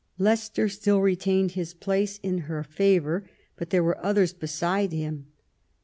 Leicester still retained his place in her favour, but there were others beside. him.